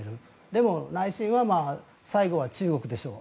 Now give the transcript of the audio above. でも内心は最後は中国でしょう